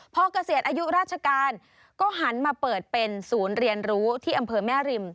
พอเกษียณอายุราชการก็หันมาเปิดเป็นศูนย์เรียนรู้ที่อำเภอแม่ริม